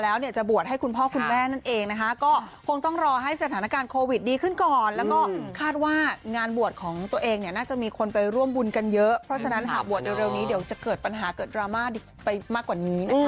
แล้วเนี่ยจะบวชให้คุณพ่อคุณแม่นั่นเองนะคะก็คงต้องรอให้สถานการณ์โควิดดีขึ้นก่อนแล้วก็คาดว่างานบวชของตัวเองเนี่ยน่าจะมีคนไปร่วมบุญกันเยอะเพราะฉะนั้นหากบวชเร็วนี้เดี๋ยวจะเกิดปัญหาเกิดดราม่าไปมากกว่านี้นะคะ